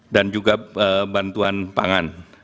dan juga bantuan pangan